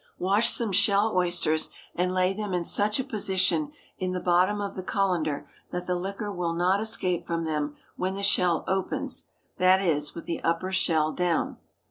Wash some shell oysters and lay them in such a position in the bottom of the cullender that the liquor will not escape from them when the shell opens, that is, with the upper shell down.